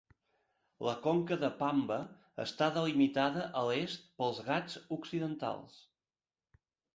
La conca de Pamba està delimitada a l'est pels Ghats Occidentals.